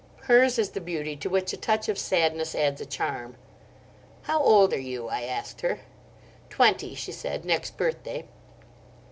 Her's is the beauty to which a touch of sadness adds a charm. "How old are you?" I asked her. "Twenty," she answered, "next birthday."